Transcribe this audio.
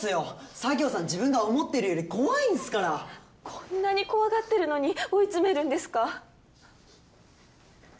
佐京さん自分が思ってるより怖いんすからこんなに怖がってるのに追い詰めるんですか？